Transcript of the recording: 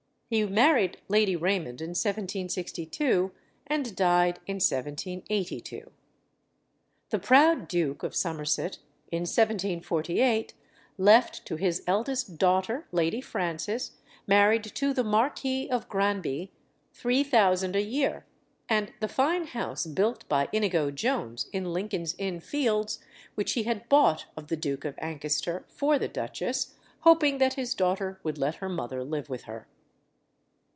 He married Lady Raymond in 1762, and died in 1782. The proud Duke of Somerset, in 1748, left to his eldest daughter, Lady Frances, married to the Marquis of Granby, three thousand a year, and the fine house built by Inigo Jones in Lincoln's Inn Fields, which he had bought of the Duke of Ancaster for the Duchess, hoping that his daughter would let her mother live with her.